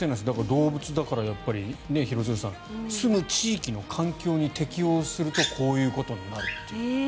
動物だから廣津留さんすむ地域の環境に適応するとこういうことになるという。